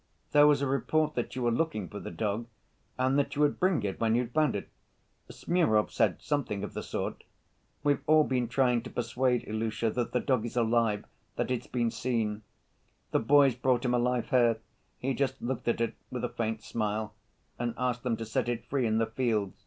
"There was a report that you were looking for the dog, and that you would bring it when you'd found it. Smurov said something of the sort. We've all been trying to persuade Ilusha that the dog is alive, that it's been seen. The boys brought him a live hare; he just looked at it, with a faint smile, and asked them to set it free in the fields.